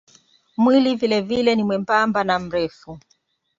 Mwili vilevile ni mwembamba na mrefu.